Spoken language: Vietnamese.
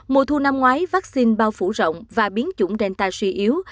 mùa thu năm ngoái vaccine bao phủ rộng và biến chủng delta suy yếu